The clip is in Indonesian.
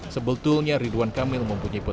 sebetulnya ridwan kamil mempunyai